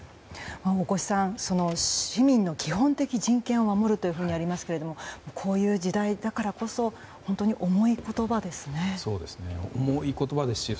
大越さん、市民の基本的人権を守るとありますけれどもこういう時代だからこそ本当に重い言葉ですね。